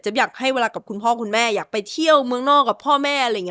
อยากให้เวลากับคุณพ่อคุณแม่อยากไปเที่ยวเมืองนอกกับพ่อแม่อะไรอย่างนี้